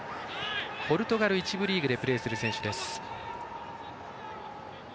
ポルトガル１部リーグでプレーする選手です。